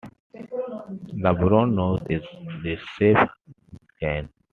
The brown nose is a recessive gene.